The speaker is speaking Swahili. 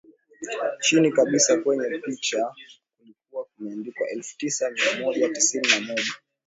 chini kabisa kwenye picha kulikuwa kumendikwa elfu tisa mia moja tisini na moja